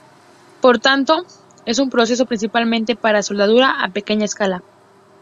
Por tanto, es un proceso principalmente para soldadura a pequeña escala.